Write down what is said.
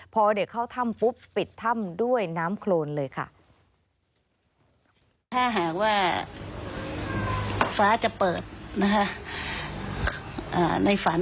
พอเด็กเข้าถ้ำปุ๊บปิดถ้ำด้วยน้ำโครนเลยค่ะ